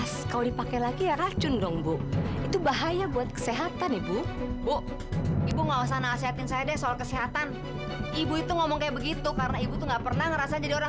sampai jumpa di video selanjutnya